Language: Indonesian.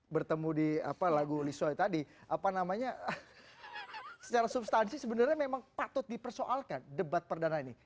bertemu di lagu lisway tadi apa namanya secara substansi sebenarnya memang patut dipersoalkan debat perdana ini